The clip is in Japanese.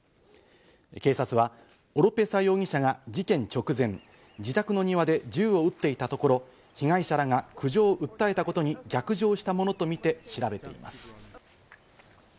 警察はオロペサ容疑者が事件直前、自宅の庭で銃を撃っていたところ、被害者らが苦情を訴えたことに逆上したものとみて調べています。